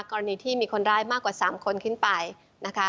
กรณีที่มีคนร้ายมากกว่า๓คนขึ้นไปนะคะ